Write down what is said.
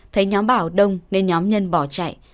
thấy nhóm bảo đông nên nhóm nhân bỏ chạy